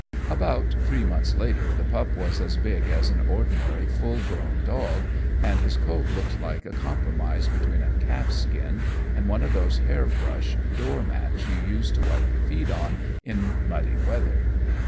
About three months later the pup was as big as an ordinary full grown dog, and his coat looked like a compromise between a calfskin and one of these hairbrush door mats you use to wipe your feet on in muddy weather.